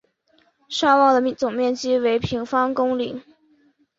尚旺的总面积为平方公里。